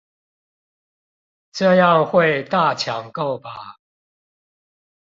這樣會大搶購吧